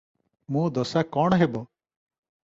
ମୋ ଦଶା କଣ ହେବ?